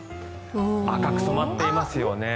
赤く染まっていますよね。